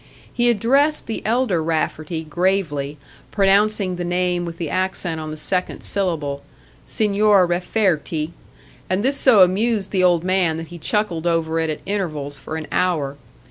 He addressed the elder Rafferty gravely, pronouncing the name with the accent on the second syllable "Signer Rafferti"; and this so amused the old man that he chuckled over it at intervals for an hour.